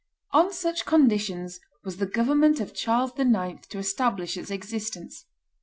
On such conditions was the government of Charles IX. to establish its existence.